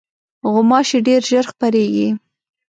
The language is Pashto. غوماشې ډېر ژر خپرېږي.